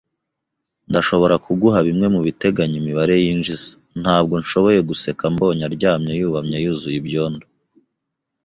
Ndashobora kuguha bimwe mubiteganya imibare yinjiza. Ntabwo nashoboye guseka mbonye aryamye yubamye yuzuye ibyondo.